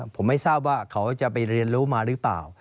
ผมไม่ทราบว่าเขาจะไปเรียนรู้มาหรือเปล่า